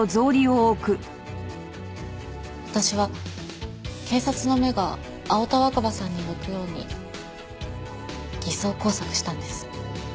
私は警察の目が青田若葉さんに向くように偽装工作したんです。